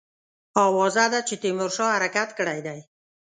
آوازه وه چې تیمورشاه حرکت کړی دی.